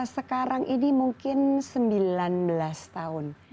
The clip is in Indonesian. sekarang ini mungkin sembilan belas tahun